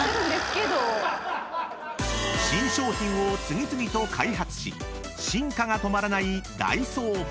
［新商品を次々と開発し進化が止まらないダイソー］